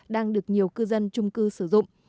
đang được nhiều cư dân chung cư sử dụng